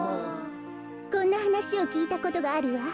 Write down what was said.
こんなはなしをきいたことがあるわ。